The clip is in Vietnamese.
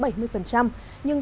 nhưng không thể đạt được